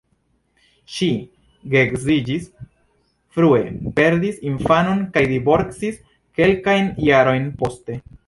Ŝi geedziĝis frue, perdis infanon kaj divorcis kelkajn jarojn poste.